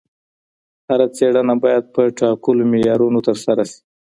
هره څېړنه باید په ټاکلو معیارونو ترسره سي.